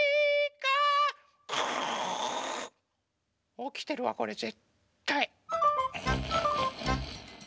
おきてるわこれぜったい。